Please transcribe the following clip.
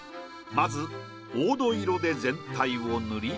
まず黄土色で全体を塗り